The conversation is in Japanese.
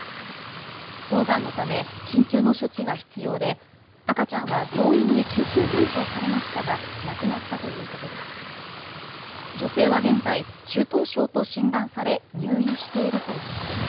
早産のため、緊急の処置が必要で赤ちゃんは病院に救急搬送されましたが亡くなったということです。